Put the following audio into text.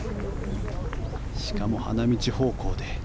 しかも花道方向で。